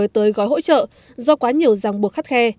tới gói hỗ trợ do quá nhiều ràng buộc khắt khe